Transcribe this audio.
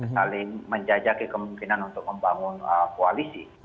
saling menjajaki kemungkinan untuk membangun koalisi